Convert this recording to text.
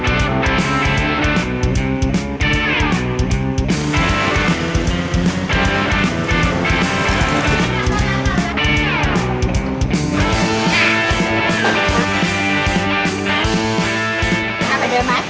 เต้นหมีครับ